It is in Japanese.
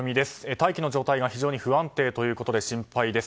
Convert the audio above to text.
大気の状態が非常に不安定ということで心配です。